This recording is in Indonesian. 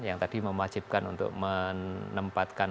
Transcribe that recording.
yang tadi mewajibkan untuk menempatkan